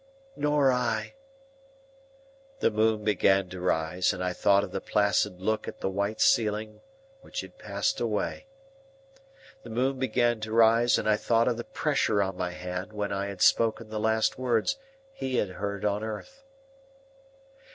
"Nor I." The moon began to rise, and I thought of the placid look at the white ceiling, which had passed away. The moon began to rise, and I thought of the pressure on my hand when I had spoken the last words he had heard on earth.